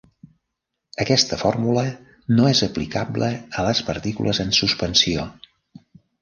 Aquesta fórmula no és aplicable a les partícules en suspensió.